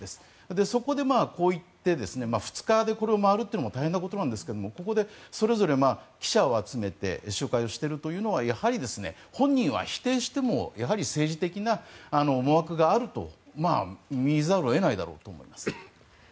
そこで、こういって２日でこれを回るのも大変なことなんですがここでそれぞれ記者を集めて集会をしているというのはやはり本人は否定しても政治的な思惑があると見ざるを得ないだろうと思います。